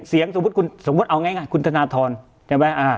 เสียงสมมุติเอาง่ายคุณธนาธรณ์